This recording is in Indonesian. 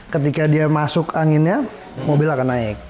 ketika dia masuk anginnya mobil akan naik